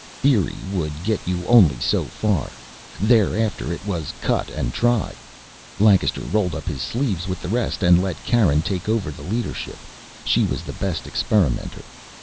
Theory would get you only so far, thereafter it was cut and try. Lancaster rolled up his sleeves with the rest and let Karen take over the leadership she was the best experimenter.